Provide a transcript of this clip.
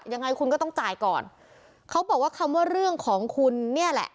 ยังไงคุณก็ต้องจ่ายก่อนเขาบอกว่าคำว่าเรื่องของคุณเนี่ยแหละ